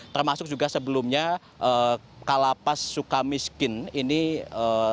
termasuk juga sebelumnya kalapas suka miskin ini